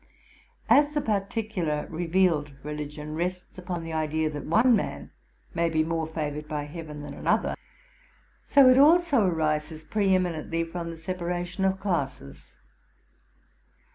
As a particular rey vealed religion rests upon the idea that one man may be more favored by Heaven than another, so it also arises pre eminently from the separation of classes.